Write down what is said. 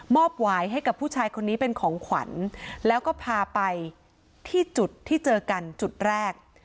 วายให้กับผู้ชายคนนี้เป็นของขวัญแล้วก็พาไปที่จุดที่เจอกันจุดแรก